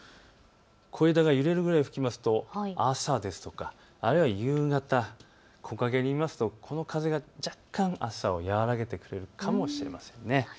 小枝が揺れるぐらい吹きますと朝ですとか、あるいは夕方、木陰にいますと、この風が若干、暑さを和らげてくれるかもしれません。